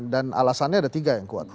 dan alasannya ada tiga yang kuat